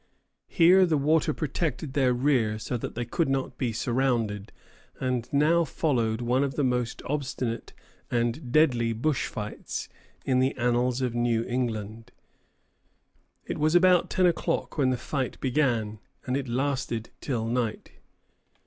Here the water protected their rear, so that they could not be surrounded; and now followed one of the most obstinate and deadly bush fights in the annals of New England. It was about ten o'clock when the fight began, and it lasted till night.